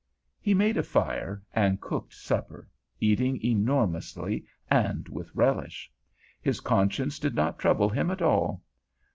He made a fire and cooked supper, eating enormously and with relish. His conscience did not trouble him at all.